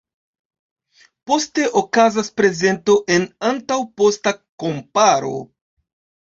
Poste okazas prezento en antaŭ-posta komparo.